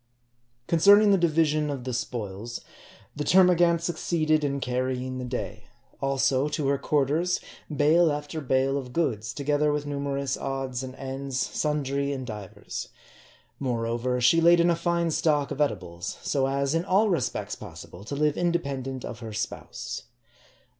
Concerning the division of the spoils, the termagant suc ceeded in carrying the day ; also, to her quarters, bale after bale of goods, together with numerous odds and ends, sundry and divers. Moreover, she laid in a fine stock of edibles, so as, in all respects possible, to live independent of her spouse.